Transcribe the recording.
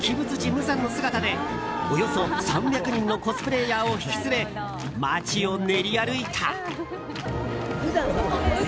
無惨の姿でおよそ３００人のコスプレーヤーを引き連れ街を練り歩いた。